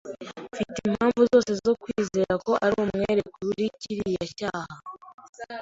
Mfite impamvu zose zo kwizera ko ari umwere kuri kiriya cyaha.